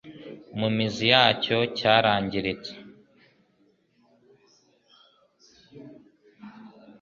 mu mizi yacyo cyarangiritse